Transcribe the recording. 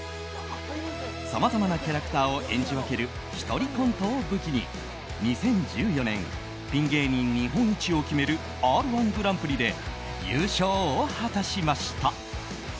さまざまなキャラクターを演じ分ける１人コントを武器に２０１４年ピン芸人日本一を決める「Ｒ‐１ぐらんぷり」で優勝を果たしました。